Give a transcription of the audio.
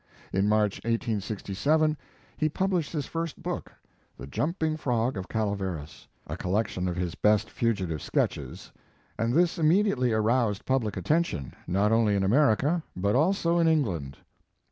In March 1867, he published his first book, "The Jumping Frog of Calaveras," a collection of his best fugitive sketches, and this immediately aroused public at tention, not only in America but also in England.